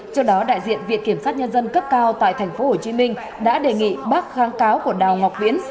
trước đó đại diện viện kiểm sát nhân dân cấp cao tại tp hcm đã đề nghị bác kháng cáo của đào ngọc viễn